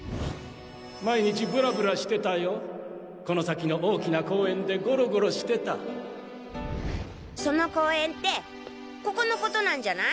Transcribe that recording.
毎日ブラブラしてたよこの先の大きな公園でゴロゴロしてたその公園ってここのことなんじゃない？